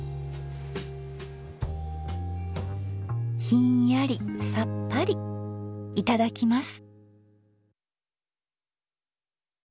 ひんやりさっぱりいただきます。